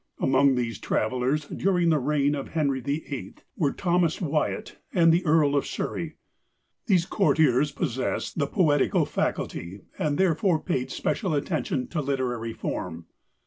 Among these travellers during the reign of Henry the Eighth were Sir Thomas Wyatt and the Earl of Surrey. These courtiers possessed the poetical faculty, and therefore paid special attention to literary form.